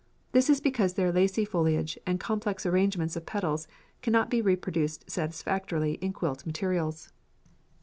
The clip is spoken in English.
This is because their lacy foliage and complex arrangement of petals cannot be reproduced satisfactorily in quilt materials.